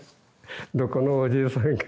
どこのおじいさんか。